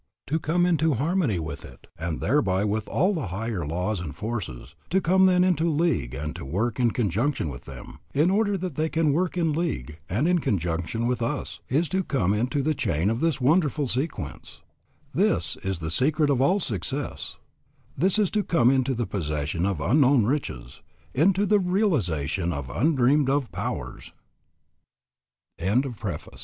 To come into harmony with it and thereby with all the higher laws and forces, to come then into league and to work in conjunction with them, in order that they can work in league and in conjunction with us, is to come into the chain of this wonderful sequence. This is the secret of all success. This is to come into the possession of unknown riches, into the realization of undreamed of powers. R.W.T. CONTENTS. I. PRELUDE II.